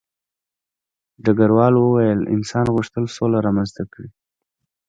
ډګروال وویل انسان غوښتل سوله رامنځته کړي